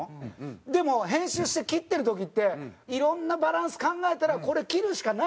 でも編集して切ってる時っていろんなバランス考えたらこれ切るしかないんだ。